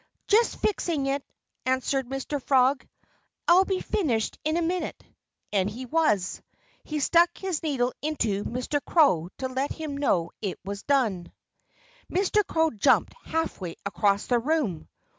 "Just fixing it!" answered Mr. Frog. "It'll be finished in a minute." And it was. He stuck his needle into Mr. Crow, to let him know it was done. Mr. Crow jumped half way across the room.